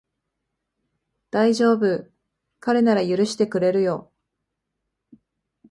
だいじょうぶ、彼なら許してくれるよ